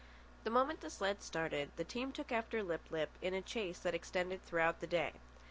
The moment the sled started, the team took after Lip lip in a chase that extended throughout the day.